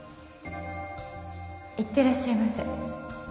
いってらっしゃいませ